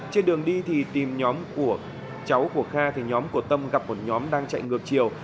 trên đường đi thì tìm nhóm của cháu của kha thì nhóm của tâm gặp một nhóm đang chạy ngược chiều